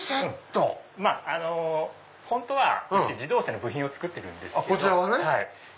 本当はうち自動車の部品を作ってるんですけど